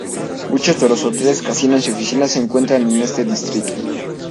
Muchos de los hoteles, casinos y oficinas se encuentran en este distrito.